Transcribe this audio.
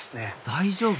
大丈夫？